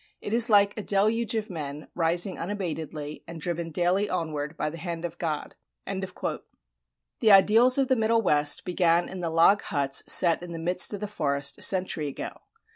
It is like a deluge of men, rising unabatedly, and driven daily onward by the hand of God." The ideals of the Middle West began in the log huts set in the midst of the forest a century ago.